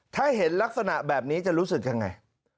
ถ้าเห็นลักษณะแบบนี้จะรู้สึกยังไง